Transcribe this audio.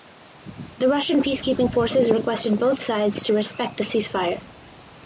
The Russian peacekeeping forces requested both sides to respect the ceasefire.